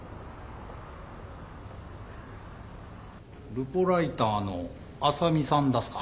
ルポライターの浅見さんだすか。